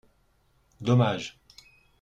Dommage